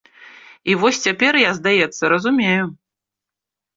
І вось цяпер я, здаецца, разумею.